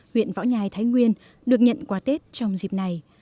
huyện võ nhai thái nguyên được nhận quà tết trong dịp này